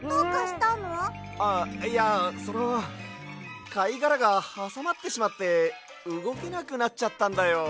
あっいやそのかいがらがはさまってしまってうごけなくなっちゃったんだよ。